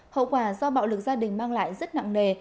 hậu quả do bạo lực gia đình mang lại rất nặng nề